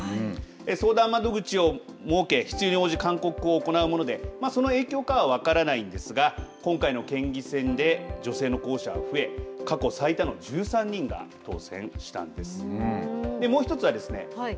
相談窓口を設け必要に応じ勧告を行うものでその影響が分かりませんが今回の県議選で女性の候補者は増え、過去最多の１３人が当選したんです。